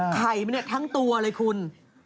ไข่มันถ้างตัวเลยคุณ